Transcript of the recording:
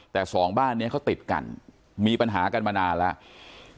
แต่สองบ้านนี้เขาติดกันมีปัญหากันมานานแล้ว